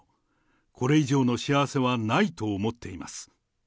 これ以上の幸せはないと思っています。